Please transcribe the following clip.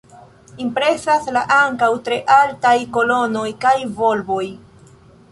Impresas la ankaŭ tre altaj kolonoj kaj volboj.